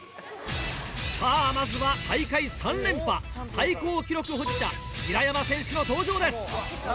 さぁまずは大会３連覇最高記録保持者平山選手の登場です。